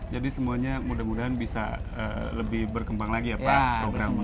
jadi semuanya mudah mudahan bisa lebih berkembang lagi ya pak programnya